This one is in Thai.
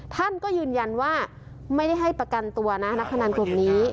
ท่านก็ยืนยันว่าไม่ได้ให้ประกันตัวนะนักพนันกลุ่มนี้